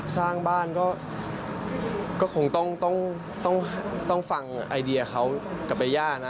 สร้างบ้านก็คงต้องฟังไอเดียเขากับใบย่านะ